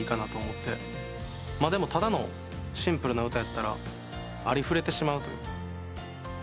でもただのシンプルな歌やったらありふれてしまうというか。